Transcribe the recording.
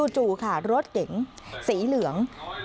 จู่ค่ะรถเก๋งสีเหลือง